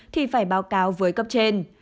thì phải báo cáo với cấp trên